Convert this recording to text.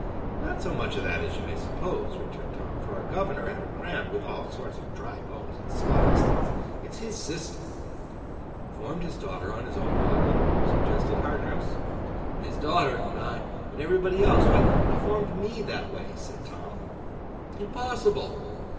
'Not so much of that as you may suppose,' returned Tom; 'for our governor had her crammed with all sorts of dry bones and sawdust. It's his system.' 'Formed his daughter on his own model?' suggested Harthouse. 'His daughter? Ah! and everybody else. Why, he formed Me that way!' said Tom. 'Impossible!